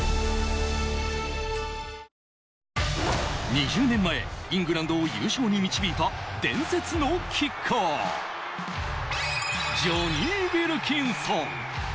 ２０年前、イングランドを優勝に導いた伝説のキッカー、ジョニー・ウィルキンソン。